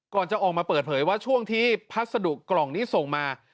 ก่อนจะออกมาเปิดเผยว่าช่วงที่พัสดุกล่องนี้ส่งมา